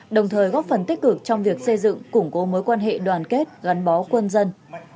đồng thời góp phần tích cực trong việc xây dựng củng cố mối quan hệ đoàn kết gắn bó quân dân